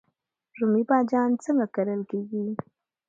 رومی بانجان څنګه کرل کیږي؟